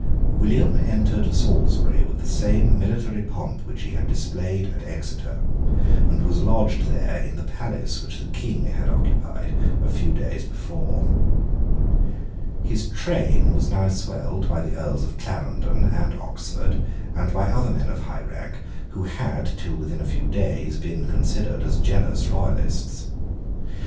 William entered Salisbury with the same military pomp which he had displayed at Exeter, and was lodged there in the palace which the King had occupied a few days before. His train was now swelled by the Earls of Clarendon and Oxford, and by other men of high rank, who had, till within a few days, been considered as jealous Royalists.